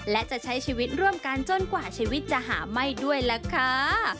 และจะใช้ชีวิตร่วมกันจนกว่าชีวิตจะหาไหม้ด้วยล่ะค่ะ